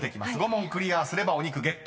５問クリアすればお肉ゲット］